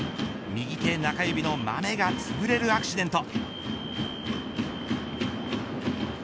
右手中指のまめがつぶれるアクシデント。